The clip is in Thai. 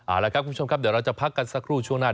เอาละครับคุณผู้ชมครับเดี๋ยวเราจะพักกันสักครู่ช่วงหน้า